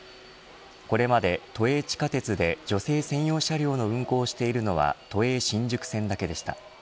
これまで都営地下鉄で女性専用車両の運行をしているのは都営新宿線だけでした。